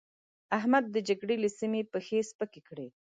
احمد د جګړې له سيمې پښې سپکې کړې.